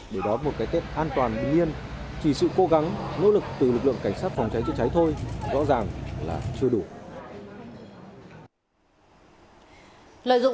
để đó một cái tết an toàn bình yên chỉ sự cố gắng nỗ lực từ lực lượng cảnh sát phòng cháy chế cháy thôi rõ ràng là chưa đủ